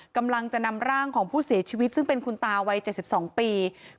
กำลังจะนำร่างของผู้เสียชีวิตซึ่งเป็นคุณตาวัย๗๒ปี